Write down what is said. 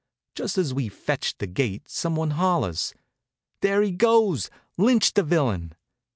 Just as we fetched the gate some one hollers: "There he goes! Lynch the villain!"